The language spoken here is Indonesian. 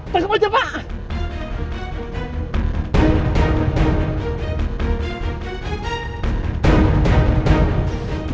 tangkap aja pak